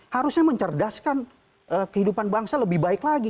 harusnya mencerdaskan kehidupan bangsa lebih baik lagi